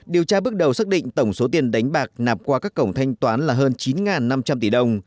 điều tra bước đầu xác định tổng số tiền đánh bạc nạp qua các cổng thanh toán là hơn chín năm trăm linh tỷ đồng